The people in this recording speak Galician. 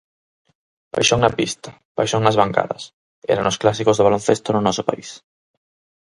Paixón na pista, paixón nas bancadas, eran os clásicos do baloncesto no noso país.